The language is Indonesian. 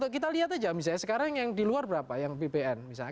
kita lihat aja misalnya sekarang yang di luar berapa yang bpn misalnya